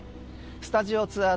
スタジオツアー